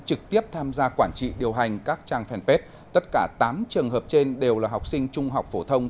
trực tiếp tham gia quản trị điều hành các trang fanpage tất cả tám trường hợp trên đều là học sinh trung học phổ thông